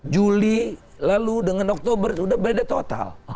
juli lalu dengan oktober sudah beda total